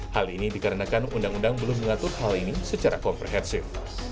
hal ini dikarenakan undang undang belum mengatur hal ini secara komprehensif